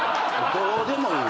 どうでもいい。